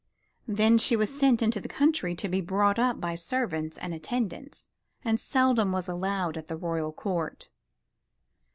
Then she was sent into the country to be brought up by servants and attendants, and seldom was allowed at the Royal Court.